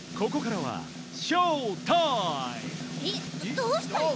どうしたち？